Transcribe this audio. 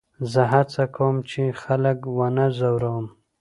زه هڅه کوم، چي خلک و نه ځوروم.